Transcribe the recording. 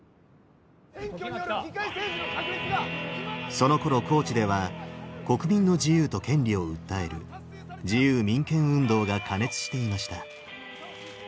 そのころ高知では国民の自由と権利を訴える自由民権運動が過熱していました。